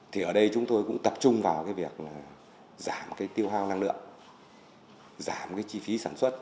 thì ở đây chúng tôi cũng tập trung vào việc giảm tiêu hoa năng lượng giảm chi phí sản xuất